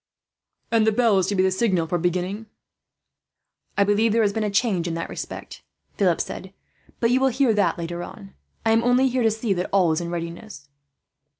"And the bell is to be the signal for beginning?" "I believe there has been a change in that respect," Philip said; "but you will hear that later on. I am only here to see that all is in readiness."